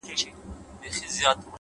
• یو خو دا چي نن مي وږي ماشومان دي ,